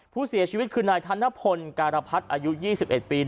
ผู้เสียชีวิตคืนนายธนพลการพัฒน์อายุยี่สิบเอ็ดปี